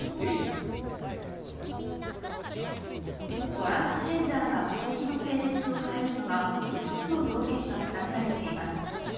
トランスジェンダーが戸籍の性別を変えるには５つの要件が定められています。